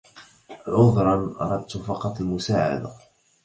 عذراً! أردت فقط المساعدة.